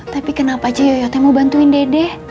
tapi kenapa ci yoyotnya mau bantuin dede